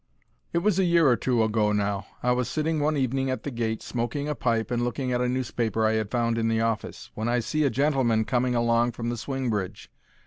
It was a year or two ago now. I was sitting one evening at the gate, smoking a pipe and looking at a newspaper I 'ad found in the office, when I see a gentleman coming along from the swing bridge.